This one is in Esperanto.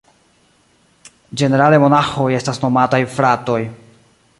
Ĝenerale monaĥoj estas nomataj "fratoj".